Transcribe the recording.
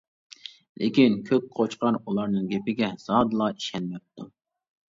لېكىن كۆك قوچقار ئۇلارنىڭ گېپىگە زادىلا ئىشەنمەپتۇ.